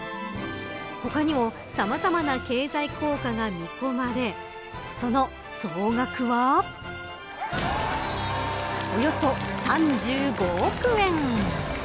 他にもさまざまな経済効果が見込まれその総額はおよそ３５億円。